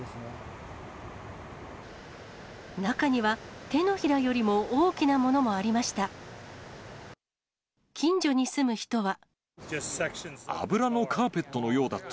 中には、手のひらよりも大きなものもありました。